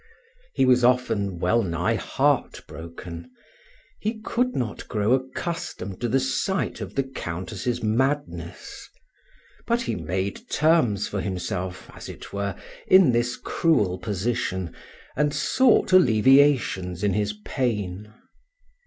He was often well nigh heartbroken; he could not grow accustomed to the sight of the Countess' madness; but he made terms for himself, as it were, in this cruel position, and sought alleviations in his pain.